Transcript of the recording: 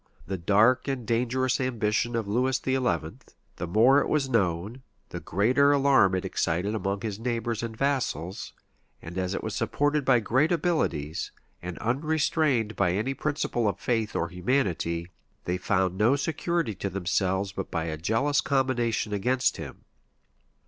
The dark and dangerous ambition of Lewis XI., the more it was known, the greater alarm it excited among his neighbors and vassals; and as it was supported by great abilities, and unrestrained by any principle of faith or humanity, they found no security to themselves but by a jealous combination against him.